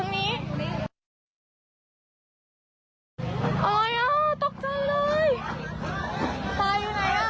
ไงอย่างน้อย